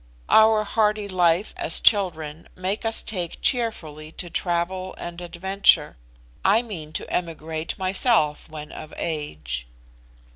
Our hardy life as children make us take cheerfully to travel and adventure. I mean to emigrate myself when of age."